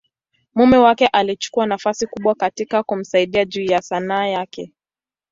mume wake alichukua nafasi kubwa katika kumsaidia juu ya Sanaa yake.